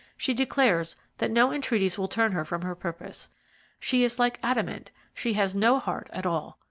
She declares that no entreaties will turn her from her purpose. She is like adamant, she has no heart at all.